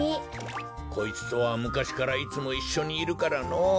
こいつとはむかしからいつもいっしょにいるからのぉ。